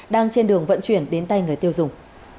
đang trên đường vận chuyển đến tay người tiêu dùng